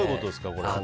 これは。